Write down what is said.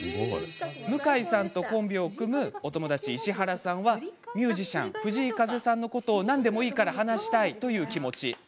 向井さんとコンビを組む石原さんは「ミュージシャン藤井風さんのことを何でもいいから話したい！」という気持ち。